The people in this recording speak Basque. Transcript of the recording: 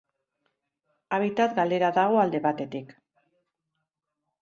Habitat galera dago alde batetik.